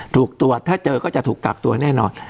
ถูกตรวจถ้าเจอก็จะถูกกักตัวแน่นอน